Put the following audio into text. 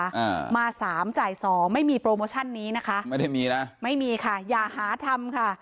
อ่ามาสามจ่ายสองไม่มีโปรโมชั่นนี้นะคะไม่ได้มีนะไม่มีค่ะอย่าหาทำค่ะ